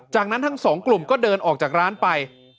จากนั้นทั้งสองกลุ่มก็เดินออกจากร้านไป